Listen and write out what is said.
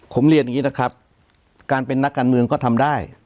ผมเรียนอย่างนี้นะครับการเป็นนักการเมืองก็ทำได้